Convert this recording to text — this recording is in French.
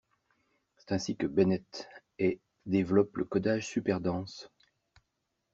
C'est ainsi que Bennett et développent le codage super-dense.